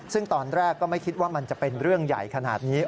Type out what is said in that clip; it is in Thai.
ซึ่งตอนแรกก็ไม่คิดว่ามันจะเป็นเรื่องใหญ่ขนาดนี้